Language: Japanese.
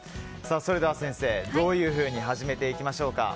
それでは先生、どういうふうに始めていきましょうか。